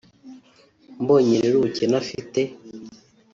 Mbonye rero ubukene afite